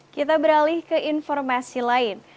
kita beralih ke informasi lain